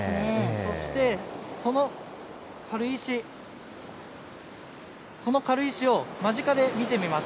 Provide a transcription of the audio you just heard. そしてその軽石、軽石を間近で見てみます。